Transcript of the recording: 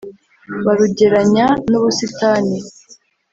barugeranya n’ubusitani